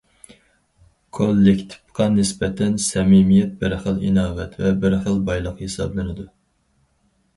كوللېكتىپقا نىسبەتەن سەمىمىيەت بىر خىل ئىناۋەت ۋە بىر خىل بايلىق ھېسابلىنىدۇ.